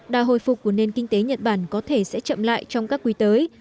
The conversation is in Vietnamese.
đà hồi phục của nền kinh tế nhật bản có thể sẽ chậm lại trong các quý tới